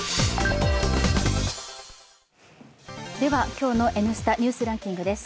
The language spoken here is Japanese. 今日の「Ｎスタ・ニュースランキング」です。